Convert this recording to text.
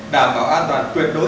đảm bảo an toàn tuyệt đối